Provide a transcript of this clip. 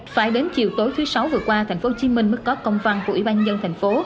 phải đến chiều tối thứ sáu vừa qua thành phố hồ chí minh mới có công văn của ủy ban nhân thành phố